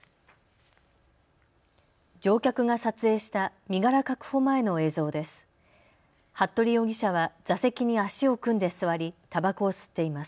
乗客が撮影した身柄確保前の映像です。